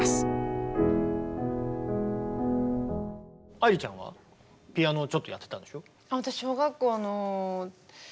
愛理ちゃんはピアノちょっとやってたんでしょ？